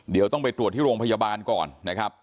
เดี๋ยวต้องไปตรวจที่โรงพยาบาลก่อนนะครับ